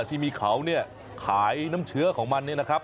ที่มีเขาเนี่ยขายน้ำเชื้อของมันเนี่ยนะครับ